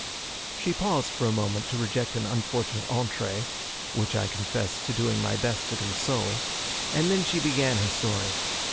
She paused for a moment to reject an unfortunate entrée (which I confess to doing my best to console), and then she began her story.